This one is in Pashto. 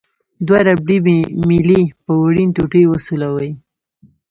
دوه ربړي میلې په وړینې ټوټې وسولوئ.